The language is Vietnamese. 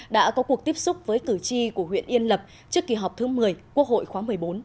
đã có cuộc tiếp xúc với cử tri của huyện yên lập trước kỳ họp thứ một mươi quốc hội khóa một mươi bốn